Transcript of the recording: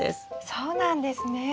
そうなんですね。